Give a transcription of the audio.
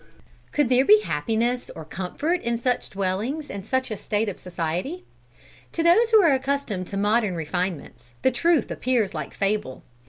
"Could there be happiness or comfort in such dwellings and such a state of society? To those who are accustomed to modern refinements the truth appears like fable.